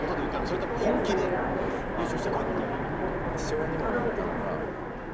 それとも本気で優勝してこいっていう意味で言ったの？